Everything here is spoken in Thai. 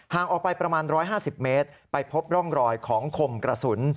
ออกไปประมาณ๑๕๐เมตรไปพบร่องรอยของคมกระสุน